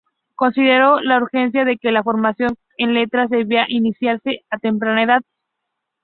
Consideró la urgencia de que la formación en letras debía iniciarse a temprana edad.